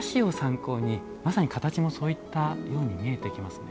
まさに形もそういったものに見えてきますね。